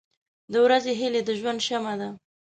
• د ورځې هیلې د ژوند شمع ده.